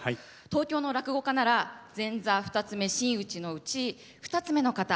東京の落語家なら前座二ツ目真打ちのうち２ツ目の方。